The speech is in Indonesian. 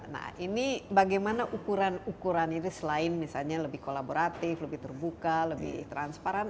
nah ini bagaimana ukuran ukuran ini selain misalnya lebih kolaboratif lebih terbuka lebih transparan